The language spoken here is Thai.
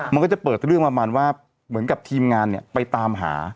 มันก็จะเปิดเรื่องประมาณว่าเหมือนกับทีมงานเนี่ยไปตามหา